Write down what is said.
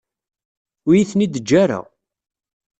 Ur iyi-ten-id-teǧǧa ara.